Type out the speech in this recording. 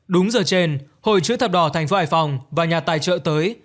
đúng giờ trên hội chữ thập đỏ thành phố hải phòng và nhà tài trợ tới